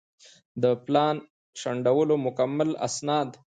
د پلان شنډولو مکمل اسناد